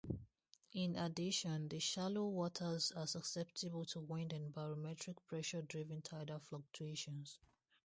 In addition, the shallow waters are susceptible to wind and barometric pressure-driven tidal fluctuations.